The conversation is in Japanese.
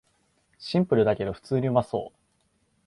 シンプルだけど普通にうまそう